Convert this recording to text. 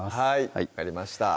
はい分かりました